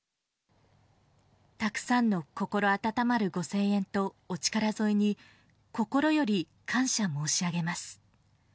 たくさんの心温まるご声援とお力添えに、心より感謝申し上げます。